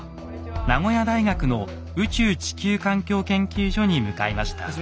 名古屋大学の宇宙地球環境研究所に向かいました。